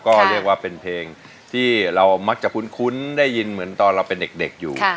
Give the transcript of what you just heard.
ก็เรียกว่าเป็นเพลงที่เรามักจะคุ้นได้ยินเหมือนตอนเราเป็นเด็กอยู่